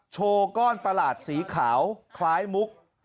โชว์ก้อนประหลาดสีขาวคล้ายมุก